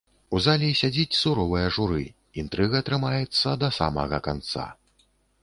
У залі сядзіць суровае журы, інтрыга трымаецца да самага канца.